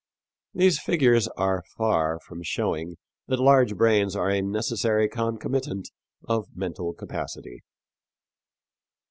These figures are far from showing that large brains are a necessary concomitant of mental capacity.